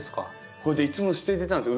それでいつも捨ててたんですよ